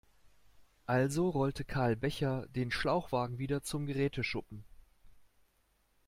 Also rollte Karl Becher den Schlauchwagen wieder zum Geräteschuppen.